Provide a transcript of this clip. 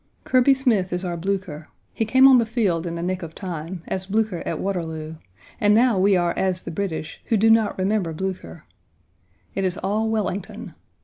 Kirby Smith is our Blücher; he came on the field in the nick of time, as Blücher at Waterloo, and now we are as the British, who do not remember Blücher. It is all Wellington.